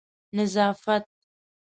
نظافت